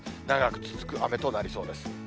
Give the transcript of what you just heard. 長く続く雨となりそうです。